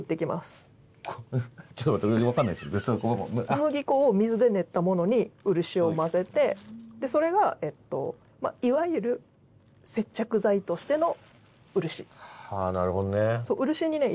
小麦粉を水で練ったものに漆を混ぜてそれがいわゆるはあなるほどね。